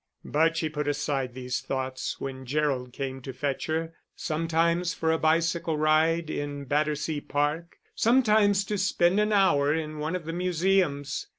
But she put aside these thoughts when Gerald came to fetch her, sometimes for a bicycle ride in Battersea Park, sometimes to spend an hour in one of the museums.